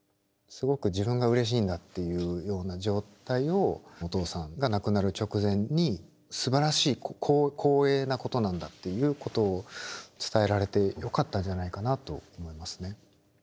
すごく自分がうれしいんだっていうような状態をお父さんが亡くなる直前にすばらしい光栄なことなんだっていうことを伝えられてよかったんじゃないかなと思いますね。